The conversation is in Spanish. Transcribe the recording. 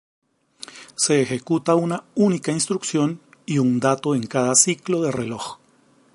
Se ejecuta una única instrucción y un dato en cada ciclo de reloj.